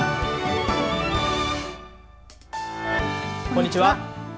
こんにちは。